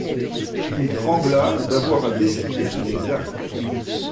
Il trembla d'avoir à décider de ses actes.